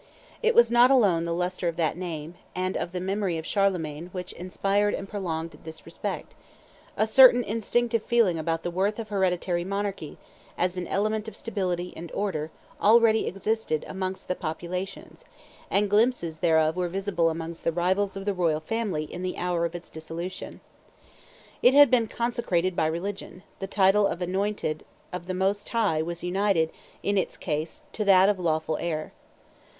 It was not alone the lustre of that name, and of the memory of Charlemagne which inspired and prolonged this respect; a certain instinctive feeling about the worth of hereditary monarchy, as an element of stability and order, already existed amongst the populations, and glimpses thereof were visible amongst the rivals of the royal family in the hour of its dissolution. It had been consecrated by religion; the title of anointed of the Most High was united, in its case, to that of lawful heir.